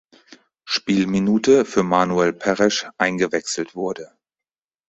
Spielminute für Manuel Perez eingewechselt wurde.